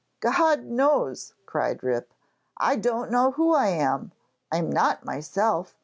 'God knows,' cried Rip; 'I don't know who I am. I'm not myself.